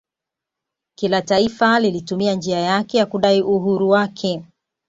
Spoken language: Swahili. Kila taifa lilitumia njia yake ya kudai uhuru wake